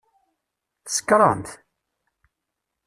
Tsekṛemt?